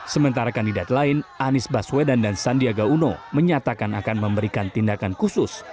sementara kandidat lain anies baswedan dan sandiaga uno menyatakan akan memberikan tindakan khusus